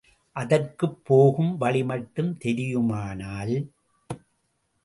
அதற்குப் போகும் வழிமட்டும் தெரியுமானால்...!